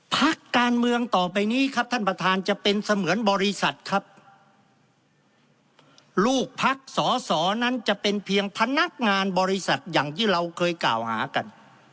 พักการเมืองต่อไปนี้ครับท่านประธานจะเป็นเสมือนบริษัทครับลูกพักสอสอนั้นจะเป็นเพียงพนักงานบริษัทอย่างที่เราเคยกล่าวหากัน